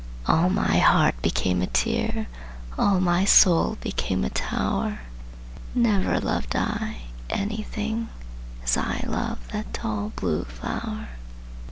All my heart became a tear, All my soul became a tower, Never loved I anything As I loved that tall blue flower!